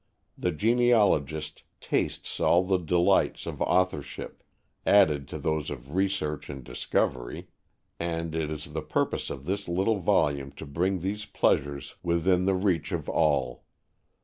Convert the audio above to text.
The genealogist tastes all the delights of authorship, added to those of research and discovery; and it is the purpose of this little volume to bring these pleasures within the reach of all.